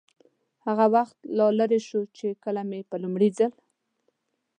هغه وخت لا لرې شول، چې کله مې په لومړي ځل.